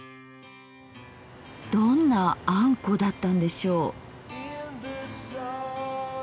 どんなあんこだったんでしょう？